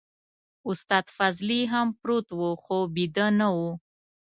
استاد فضلي هم پروت و خو بيده نه و.